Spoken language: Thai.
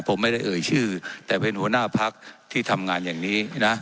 ผมไม่ได้เอ่ยชื่อแต่เป็นหัวหน้าพักที่ทำงานอย่างนี้นะ